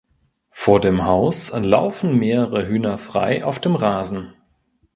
Vor dem Haus laufen mehrere Hühner frei auf dem Rasen.